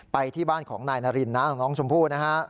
ไปที่บ้านของนายนารินน้าของน้องชมพู่นะฮะ